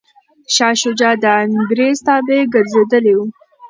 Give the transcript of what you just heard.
شاه شجاع د انګریز تابع ګرځېدلی و.